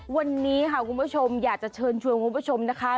วันนี้ค่ะคุณผู้ชมอยากจะเชิญชวนคุณผู้ชมนะคะ